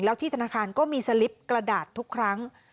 แล้วที่ธนาคารก็มีสลิปกระดาษทุกครั้ง